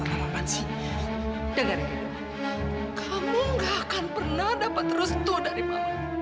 kamu tidak akan pernah dapat restu dari mama